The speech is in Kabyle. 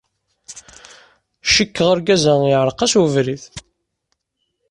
Cikkeɣ argaz-a yeɛreq-as webrid.